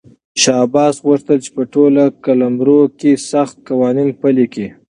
شاه عباس غوښتل چې په ټول قلمرو کې سخت قوانین پلي کړي.